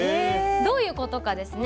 どういうことかですね